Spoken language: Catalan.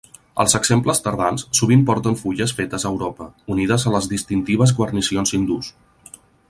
Els exemples tardans sovint porten fulles fetes a Europa, unides a les distintives guarnicions hindús.